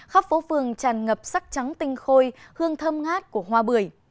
khắp phố phường tràn ngập sắc trắng tinh khôi hương thơm ngát của hoa bưởi